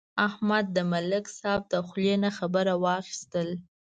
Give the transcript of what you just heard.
احمد د ملک صاحب د خولې نه خبره واخیسته.